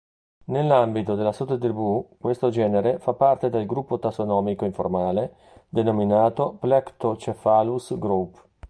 Nell'ambito della sottotribù questo genere fa parte del gruppo tassonomico informale denominato "Plectocephalus Group".